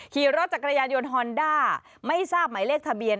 ขี่รถจักรยานยนต์ฮอนด้าไม่ทราบหมายเลขทะเบียน